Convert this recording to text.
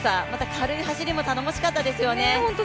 軽い走りも頼もしかったですよね。